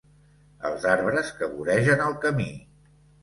Els arbres que voregen el camí.